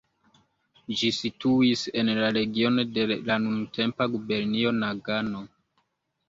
Ĝi situis en la regiono de la nuntempa gubernio Nagano.